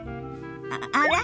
あら？